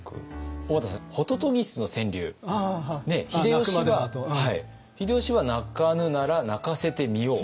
小和田さんほととぎすの川柳秀吉は「鳴かぬなら鳴かせてみよう」。